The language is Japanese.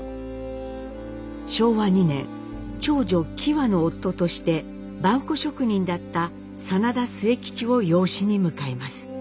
昭和２年長女きわの夫として萬古職人だった真田末吉を養子に迎えます。